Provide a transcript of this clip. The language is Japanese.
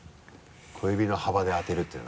小指の幅で当てるっていうのがな。